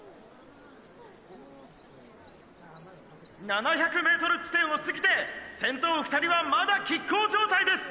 「７００ｍ地点を過ぎて先頭２人はまだ拮抗状態です。